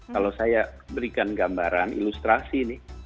kalau saya berikan gambaran ilustrasi nih